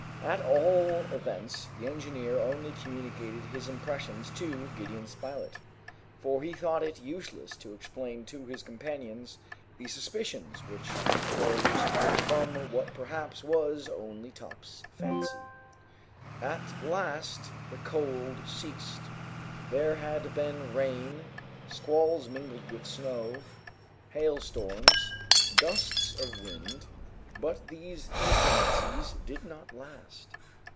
At all events, the engineer only communicated his impressions to Gideon Spilett, for he thought it useless to explain to his companions the suspicions which arose from what perhaps was only Top's fancy. At last the cold ceased. There had been rain, squalls mingled with snow, hailstorms, gusts of wind, but these inclemencies did not last.